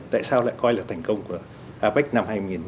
tại sao lại coi là thành công của apec năm hai nghìn một mươi tám